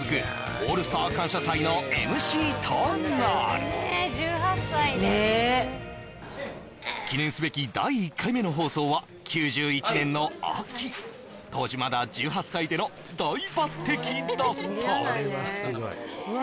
「オールスター感謝祭」のＭＣとなるねえ１８歳でねえ記念すべき第１回目の放送は９１年の秋当時まだ１８歳での大抜擢だったうわ